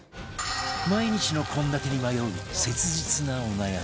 毎日の献立に迷う切実なお悩み